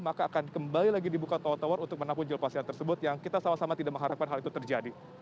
maka akan kembali lagi dibuka tower tower untuk menampung jumlah pasien tersebut yang kita sama sama tidak mengharapkan hal itu terjadi